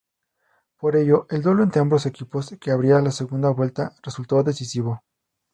Por ello, el duelo entre ambos equipos, que abría la segunda vuelta, resultó decisivo.